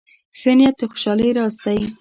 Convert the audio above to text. ښه نیت د خوشحالۍ راز دی.